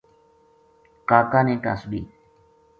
کا کا نے کا صبی